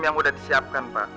yang udah disiapkan pak